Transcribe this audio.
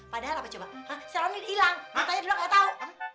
padahal apa coba si raun ini ilang katanya dulu kagak tau